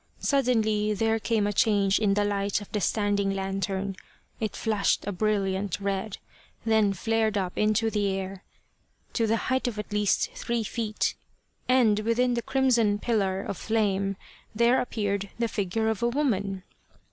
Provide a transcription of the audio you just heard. Suddenly there came a change in the light of the standing lantern, it flushed a brilliant red, then flared up into the air to the height of at least three feet, and within the crimson pillar of flame there appeared the figure of a woman.